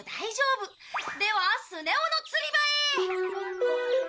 ではスネ夫の釣り場へ！